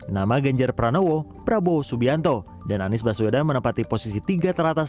nama ganjar pranowo prabowo subianto dan anies baswedan menempati posisi tiga teratas